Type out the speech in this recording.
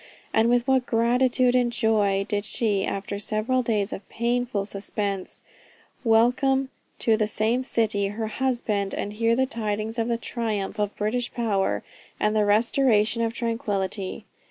And with what gratitude and joy did she, after several days of painful suspense, welcome to the same city, her husband, and hear the tidings of the triumph of British power, and the restoration of tranquillity!